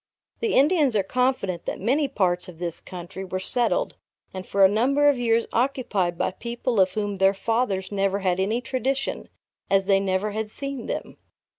The Indians are confident that many parts of this country were settled and for a number of years occupied by people of whom their fathers never had any tradition, as they never had seen them.